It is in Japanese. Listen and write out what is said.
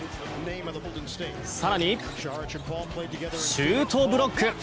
更に、シュートブロック！